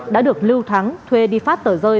đã được lưu thắng thuê đi phát tờ rơi